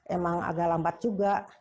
emang agak lambat juga